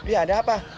iya ada apa